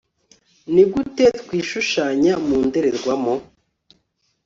Nigute twishushanya mu ndorerwamo